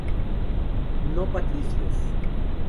No patricios!